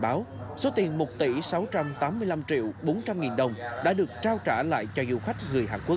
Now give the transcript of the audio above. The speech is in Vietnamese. báo số tiền một tỷ sáu trăm tám mươi năm triệu bốn trăm linh nghìn đồng đã được trao trả lại cho du khách người hàn quốc